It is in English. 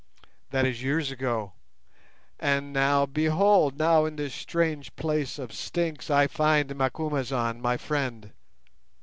That is years ago. And now, behold, now in this strange place of stinks I find Macumazahn, my friend.